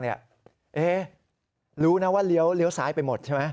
รู้นะว่าเลี้ยวซ้ายไปหมดใช่ไหม